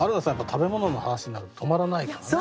食べ物の話になると止まらないからね。